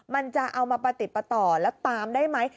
มันจะเอามาประติดประต่อแล้วตามได้ไหม